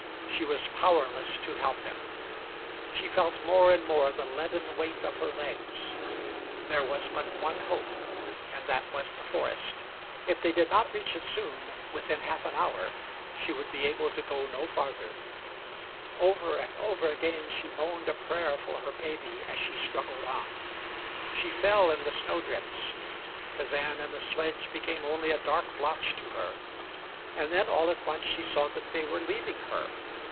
She was powerless to help him. She felt more and more the leaden weight of her legs. There was but one hope and that was the forest. If they did not reach it soon, within half an hour, she would be able to go no farther. Over and over again she moaned a prayer for her baby as she struggled on. She fell in the snow drifts. Kazan and the sledge became only a dark blotch to her. And then, all at once, she saw that they were leaving her.